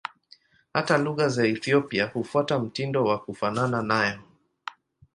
Hata lugha za Ethiopia hufuata mtindo wa kufanana nayo.